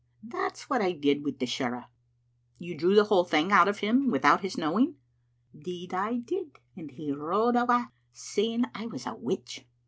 That's what I did wi* the shirra." " You drew the whole thing out of him without his knowing?" " 'Deed I did, and he rode awa' saying I was a witch.